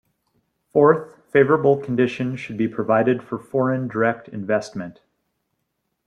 Fourth, favorable conditions should be provided for foreign direct investment.